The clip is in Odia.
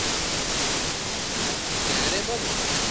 କ୍ୟାଁ ରେ ବାବୁ!